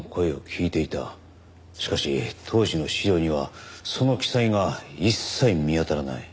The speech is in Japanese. しかし当時の資料にはその記載が一切見当たらない。